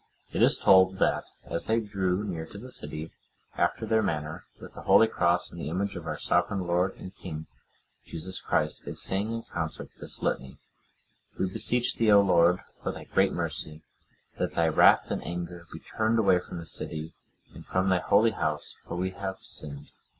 It is told that, as they drew near to the city, after their manner, with the holy cross, and the image of our sovereign Lord and King, Jesus Christ, they sang in concert this litany: "We beseech thee, O Lord, for Thy great mercy, that Thy wrath and anger be turned away from this city, and from Thy holy house, for we have sinned.